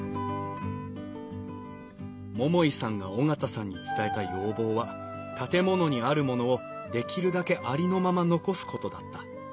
桃井さんが緒方さんに伝えた要望は建物にあるものをできるだけありのまま残すことだった。